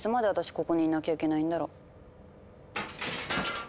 ここにいなきゃいけないんだろ。